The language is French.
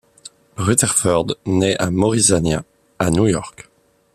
Rutherfurd naît à Morrisania à New York.